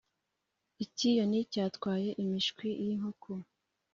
Icyiyoni cyatwaye imishwi y’inkoko